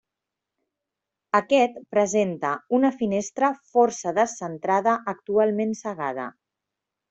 Aquest presenta una finestra força descentrada, actualment cegada.